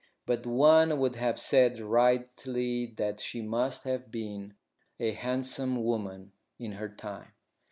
But one would have said rightly that she must have been a handsome woman in her time.